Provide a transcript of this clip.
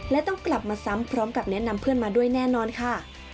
และต้องกลับมาซ้ำพร้อมกับแนะนำเพื่อนมาด้วยแน่นอนค่ะ